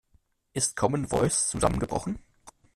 Ist Commen Voice zusammengebrochen?